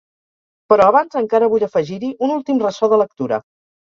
Però abans encara vull afegir-hi un últim ressò de lectura.